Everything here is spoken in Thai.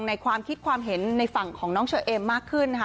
ความคิดความเห็นในฝั่งของน้องเชอเอมมากขึ้นนะคะ